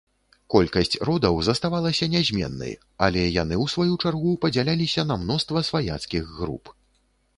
Колькасць родаў заставалася нязменнай, але яны ў сваю чаргу падзяляліся на мноства сваяцкіх груп.